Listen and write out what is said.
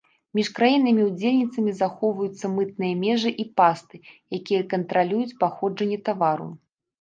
Між краінамі-удзельніцамі захоўваюцца мытныя межы і пасты, якія кантралююць паходжанне тавару.